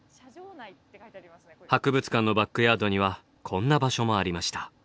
博物館のバックヤードにはこんな場所もありました。